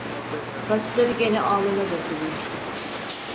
Saçları gene alnına dökülmüştü.